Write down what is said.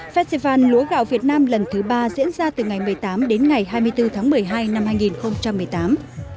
festival lúa gạo việt nam lần thứ ba diễn ra từ ngày một mươi tám đến ngày hai mươi bốn tháng một mươi hai năm hai nghìn một mươi tám